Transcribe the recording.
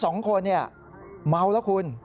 ทั้ง๒คนเมาแล้วคุณ